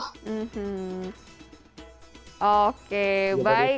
hmm oke baik